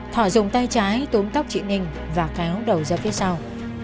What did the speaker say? thỏa dùng tay trái túm tóc trị ninh và kéo đầu ra phía sau